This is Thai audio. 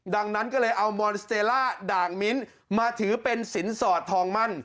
ดังนั้นก็เลยเอาด่างมิ้นท์มาถือเป็นสินสอดทองมั่น